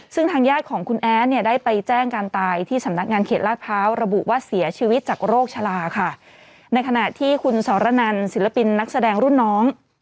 ซึ่งทางญาติของคุณแอดเนี่ยได้ไปแจ้งการตายที่สำนักงานเขตลาดพร้าวระบุว่าเสียชีวิตจากโรคชะลาค่ะในขณะที่คุณสรนันศิลปินนักแสดงรุ่นน้อง